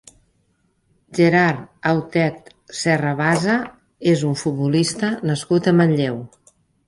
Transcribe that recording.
Gerard Autet Serrabasa és un futbolista nascut a Manlleu.